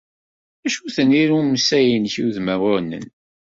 D acu-ten yirumsa-nnek udmawanen?